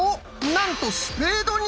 なんとスペードに！